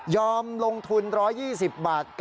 ยอมลงทุน๑๒๐บาท